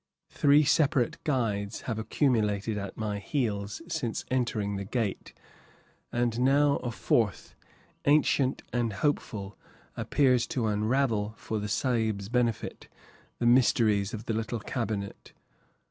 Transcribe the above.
Three separate guides have accumulated at my heels since entering the gate, and now a fourth, ancient and hopeful, appears to unravel, for the Sahib's benefit, the mysteries of the little cabinet.